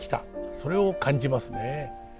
それを感じますね。